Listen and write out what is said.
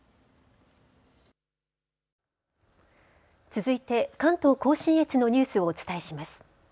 続いて関東甲信越のニュースをお伝えします。